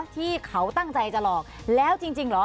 ที่เขาตั้งใจจะหลอกแล้วจริงเหรอ